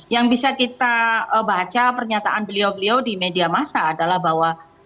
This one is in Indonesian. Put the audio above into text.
yang bisa kita baca pernyataan beliau beliau di media masa adalah bahwa